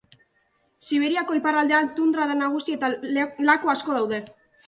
Siberiako iparraldean tundra da nagusi eta laku asko daude.